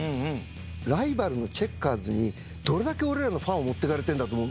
ライバルのチェッカーズにどれだけ俺らのファンを持ってかれてるんだと思う？